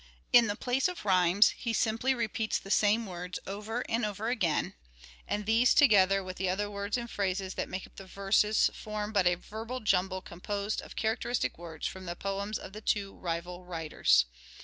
In the place of rhymes he simply repeats the same words over and over again, and 344 " SHAKESPEARE " IDENTIFIED these, together with other words and phrases that make up the " verses," form but a verbal jumble composed of characteristic words from the poems of the two rival writers.